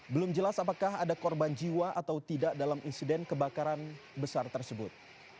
belum jelas apakah ada korban jiwa atau tidak dalam insiden kebakaran besar tersebut